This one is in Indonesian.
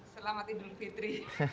selamat tidur fitri